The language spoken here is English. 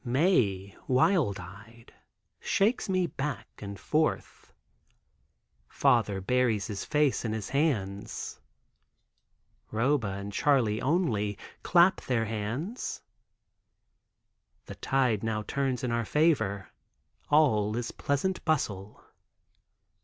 Mae, wild eyed, shakes me back and forth. Father buries his face in his hands. Roba and Charley only, clap their hands. The tide now turns in our favor; all is pleasant bustle.